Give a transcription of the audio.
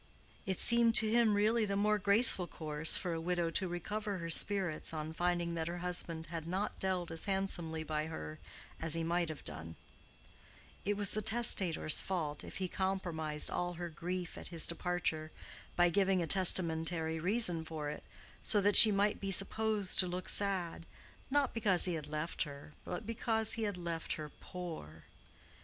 It seemed to him really the more graceful course for a widow to recover her spirits on finding that her husband had not dealt as handsomely by her as he might have done; it was the testator's fault if he compromised all her grief at his departure by giving a testamentary reason for it, so that she might be supposed to look sad, not because he had left her, but because he had left her poor.